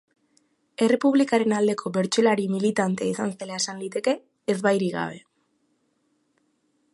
Errepublikaren aldeko bertsolari militantea izan zela esan liteke ezbairik gabe.